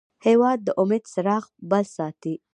هېواد د امید څراغ بل ساتي.